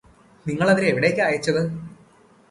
നിങ്ങള് അവരെ എവിടേക്കാ അയച്ചത്